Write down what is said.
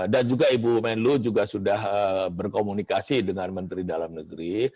dan juga ibu menlu juga sudah berkomunikasi dengan menteri dalam negeri